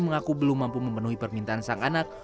mengaku belum mampu memenuhi permintaan sang anak